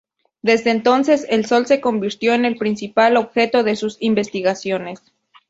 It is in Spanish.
Desde entonces, el Sol se convirtió en el principal objeto de sus investigaciones.